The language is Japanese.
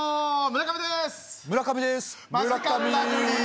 村上です